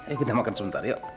ayo kita makan sebentar